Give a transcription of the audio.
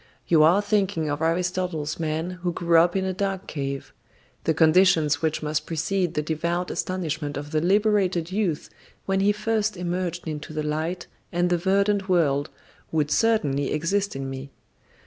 "You are thinking of Aristotle's man who grew up in a dark cave. The conditions which must precede the devout astonishment of the liberated youth when he first emerged into the light and the verdant world would certainly exist in me."